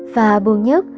và buồn nhất